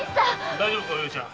大丈夫かお葉ちゃん。